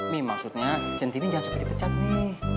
mi maksudnya centini jangan suka dipecat mi